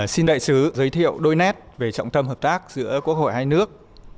xin đại sứ giới thiệu đôi nét về trọng tâm hợp tác giữa quốc hội hai nước